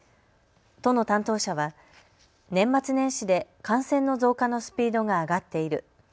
都の担当者は年末年始で感染の増加のスピードが上がっている。